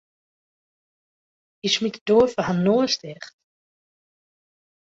Hy smiet de doar foar har noas ticht.